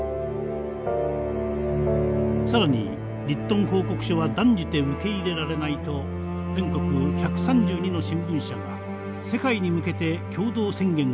更にリットン報告書は断じて受け入れられないと全国１３２の新聞社が世界に向けて共同宣言を出します。